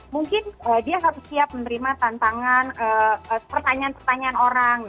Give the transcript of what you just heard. mungkin dia harus siap menerima tantangan pertanyaan pertanyaan orang